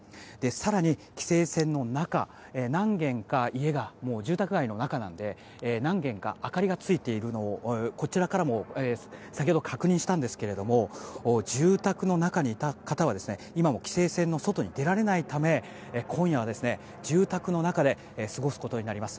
更に規制線の中住宅街なので、何軒か家の明かりがついているのをこちらからも先ほど確認したんですけれども住宅の中にいた方は今も規制線の外に出られないため今夜は、住宅の中で過ごすことになります。